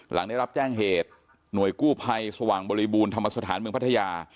หลังได้รับแจ้งเหตุหน่วยกู้ภัยสว่างบริบูรณธรรมสถานเมืองพัทยา